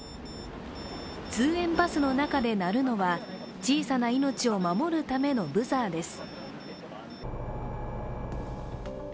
通園バスの中で鳴るのは小さな命を守るためのブザーです。